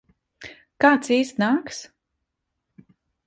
Kā tas īsti nākas?